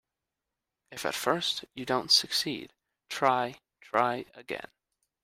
If at first you don't succeed, try, try again.